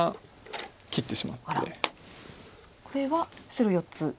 これは白４つ。